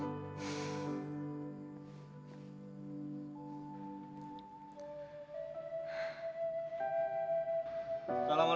hai sekarang kamu tidur